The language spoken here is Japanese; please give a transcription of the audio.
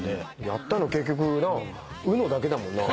やったの結局ＵＮＯだけだもんな。